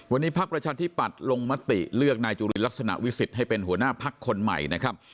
วันนี้พักประชาธิปัตย์ลงมติเลือกนายจุลินลักษณะวิสิทธิ์ให้เป็นหัวหน้าพักคนใหม่นะครับ